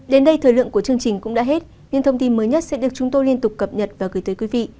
đến đây thời lượng của chương trình cũng đã hết những thông tin mới nhất sẽ được chúng tôi liên tục cập nhật và gửi tới quý vị